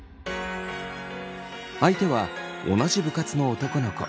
相手は同じ部活の男の子。